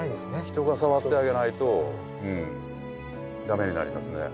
人が触ってあげないとうん駄目になりますね。